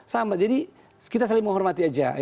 sama jadi kita saling menghormati aja